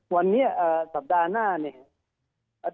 วันนี้สัปดาห์หน้าเนี่ย